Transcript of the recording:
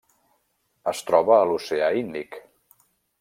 Es troba a l'oceà Índic.